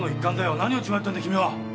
何を血迷ってるんだ君は！